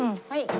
はい。